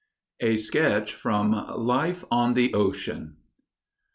A SKETCH FROM "LIFE ON THE OCEAN."